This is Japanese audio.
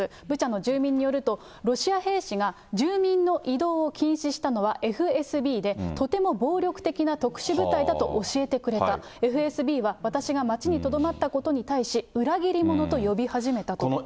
ブチャの住民によると、ロシア兵士が住民の移動を禁止したのはＦＳＢで、とても暴力的な特殊部隊だと教えてくれた、ＦＳＢは私が街にとどまったことに対し、裏切り者と呼び始めたと。